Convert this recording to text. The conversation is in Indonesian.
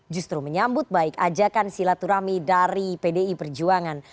justru menyambut baik ajakan silaturahmi dari pdi perjuangan